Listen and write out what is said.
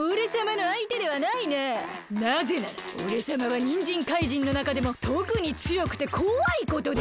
なぜならおれさまはにんじんかいじんのなかでもとくにつよくてこわいことで。